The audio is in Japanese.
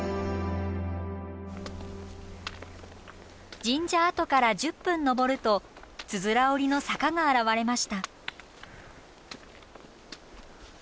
神社跡から１０分登るとつづら折りの坂が現れました。